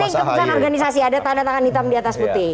yang penting keputusan organisasi ada tanda tangan hitam diatas putih